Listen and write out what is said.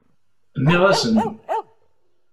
Nniɣ-asen!